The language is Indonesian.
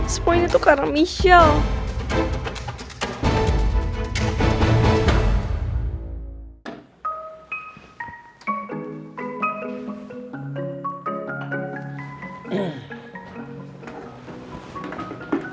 spoilnya tuh karena michelle